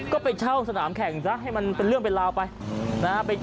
ก็ไปเช่าสนามแข่งซะให้มันเป็นเรื่องเป็นราวไปนะฮะ